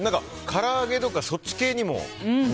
から揚げとか、そっち系にも。